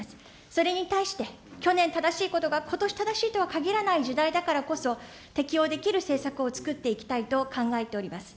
それに対して、去年正しいことがことし正しいとはかぎらない時代だからこそ、適応できる政策を作っていきたいと考えております。